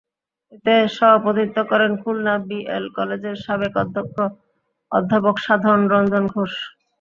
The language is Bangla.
এতে সভাপতিত্ব করেন খুলনা বিএল কলেজের সাবেক অধ্যক্ষ অধ্যাপক সাধন রঞ্জন ঘোষ।